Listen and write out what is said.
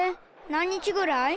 何日ぐらい？